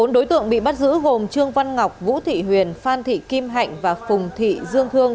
bốn đối tượng bị bắt giữ gồm trương văn ngọc vũ thị huyền phan thị kim hạnh và phùng thị dương thương